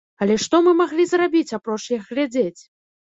Але што мы маглі зрабіць, апроч як глядзець?